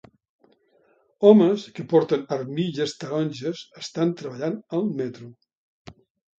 Homes que porten armilles taronges estan treballant al metro